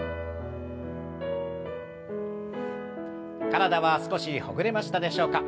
体は少しほぐれましたでしょうか？